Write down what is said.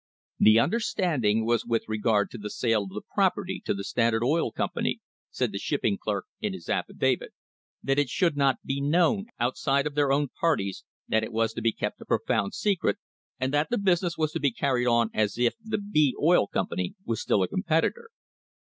"The understanding was with regard to the sale of the property to the Standard Oil Company," said the shipping clerk in his affidavit, "that it should not be known outside of their own parties, that it was to be kept a profound secret, and that the business was to be carried on as if the B Oil Company was still a competitor."